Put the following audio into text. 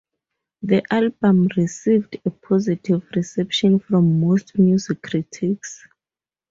The album received a positive reception from most music critics.